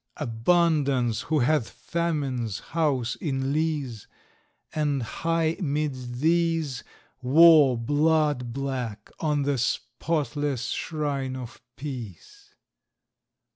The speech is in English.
Abundance, who hath Famine's house in lease; And, high 'mid these, War, blood black, on the spotless shrine of Peace.